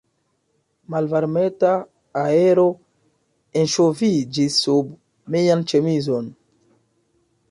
Malvarmeta aero enŝoviĝis sub mian ĉemizon.